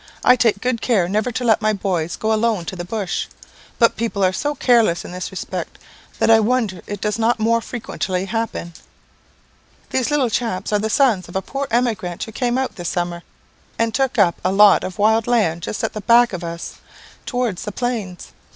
I take good care never to let my boys go alone to the bush. But people are so careless in this respect, that I wonder it does not more frequently happen. "These little chaps are the sons of a poor emigrant who came out this summer, and took up a lot of wild land just at the back of us, towards the plains.